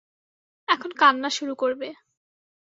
এখন কান্না শুরু করবে।